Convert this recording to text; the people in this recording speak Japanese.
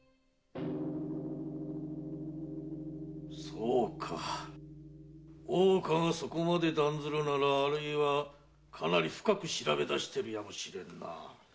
そうか大岡がそこまで断ずるならあるいはかなり深く調べ出しているやもしれぬな。